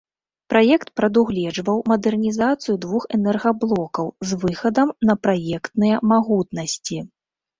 Праект прадугледжваў мадэрнізацыю двух энергаблокаў з выхадам на праектныя магутнасці.